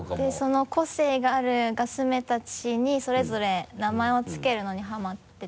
その個性があるガスメたちにそれぞれ名前をつけるのにハマってて。